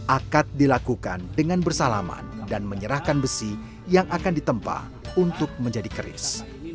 akad dilakukan dengan bersalaman dan menyerahkan besi yang akan ditempa untuk menjadi keris